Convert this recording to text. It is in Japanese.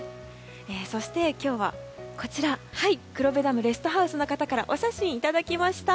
そして、今日はこちら黒部ダムレストハウスの方からお写真をいただきました。